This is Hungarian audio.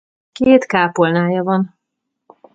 Két kápolnája van.